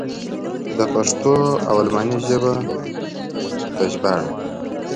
د پښتو و الماني ژبې ته ژباړه.